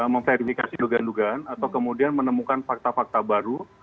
memverifikasi dugaan dugaan atau kemudian menemukan fakta fakta baru